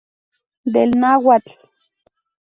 Del Náhuatl.